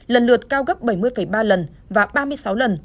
lần lượt cao gấp bảy mươi ba lần và ba mươi sáu lần